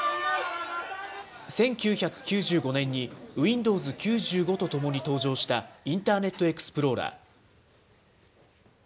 １９９５年にウィンドウズ９５とともに登場したインターネットエクスプローラー。